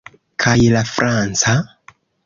Kaj la franca?